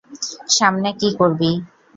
সামনে কী করবি?